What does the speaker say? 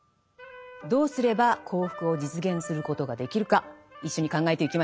どうすれば幸福を実現することができるか一緒に考えてゆきましょう。